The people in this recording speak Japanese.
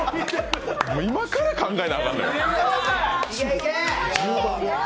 今から考えなあかんから。